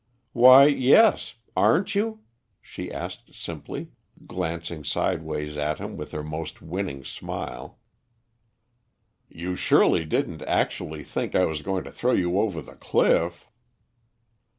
"Why, yes; aren't you?" she asked simply, glancing sideways at him with her most winning smile. "You surely didn't actually think I was going to throw you over the cliff?"